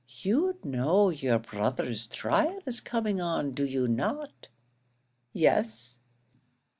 You know your brother's trial is coming on, do you not?" "Yes."